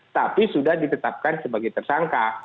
tapi sudah ditetapkan sebagai tersangka